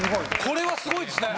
これはすごいですね。